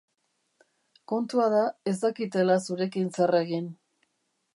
Kontua da ez dakitela zurekin zer egin.